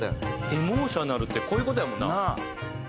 エモーショナルってこういう事やもんな。